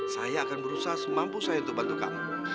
saya akan berusaha semampu saya untuk bantu kamu